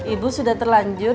ibu sudah terlanjur